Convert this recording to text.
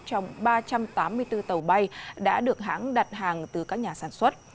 trong ba trăm tám mươi bốn tàu bay đã được hãng đặt hàng từ các nhà sản xuất